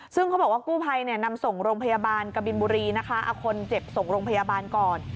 ซึ่งเขาบอกว่ากู้ภัยนำส่งโรงพยาบาลกบินบุรีนะคะเอาคนเจ็บส่งโรงพยาบาลก่อน